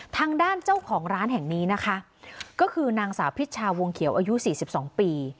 ทางด้านเจ้าของร้านแห่งนี้นะคะก็คือนางสาวพิชชาวงเขียวอายุ๔๒ปี